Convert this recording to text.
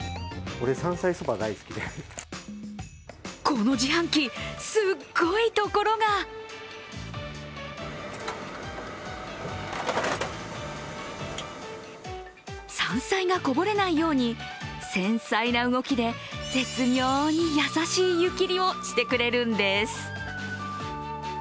この自販機、すごいところが山菜がこぼれないように繊細な動きで絶妙に優しい湯きりをしてくれるんです。